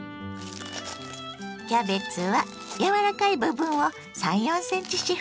キャベツは柔らかい部分を３４ｃｍ四方にちぎります。